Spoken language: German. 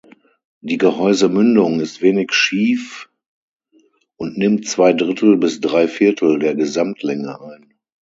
Die Gehäusemündung ist wenig schief und nimmt zwei Drittel bis Dreiviertel der Gesamtlänge ein.